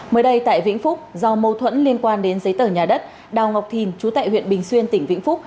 mới đây tại vĩnh phúc do mâu thuẫn liên quan đến giấy tờ nhà đất đào ngọc thìn chú tại huyện bình xuyên tỉnh vĩnh phúc